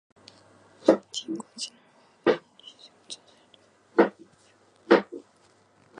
人工知能は私の日常生活をどのように変えていくのでしょうか？